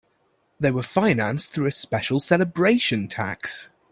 They were financed through a special celebration tax.